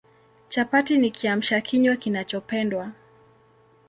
Chapati ni Kiamsha kinywa kinachopendwa